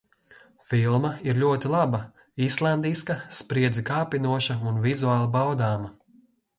Filma ir ļoti laba. Islandiska, spriedzi kāpinoša un vizuāli baudāma.